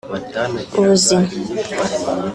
ubuzima